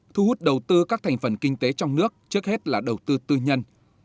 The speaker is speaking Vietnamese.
thu hút đầu tư các thành phần kinh tế trong nước trước hết là đầu tư tư nhân